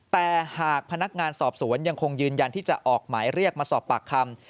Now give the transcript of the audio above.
แต่หากพนักงานสอบสวนยังคงยืนยันที่จะออกหมายเรียกมาสอบปากคำ